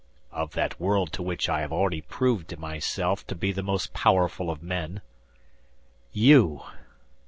"Of that world to which I have already proved myself to be the most powerful of men." "You!"